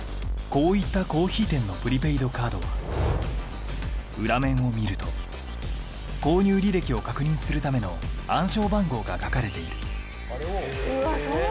こういったコーヒー店のプリペイドカードは裏面を見ると購入履歴を確認するための暗証番号が書かれているうわ